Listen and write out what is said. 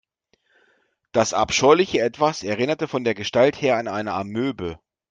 Das abscheuliche Etwas erinnerte von der Gestalt her an eine Amöbe.